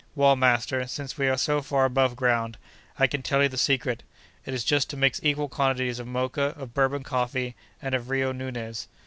"Well, master, since we are so far above ground, I can tell you the secret. It is just to mix equal quantities of Mocha, of Bourbon coffee, and of Rio Nunez."